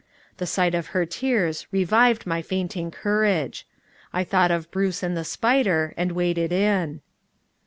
The sight of her tears revived my fainting courage. I thought of Bruce and the spider, and waded in.